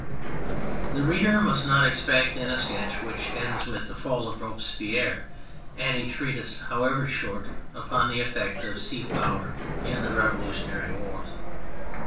The reader must not expect in a sketch which ends with the fall of Robespierre any treatise, however short, upon the effect of sea power in the revolutionary wars.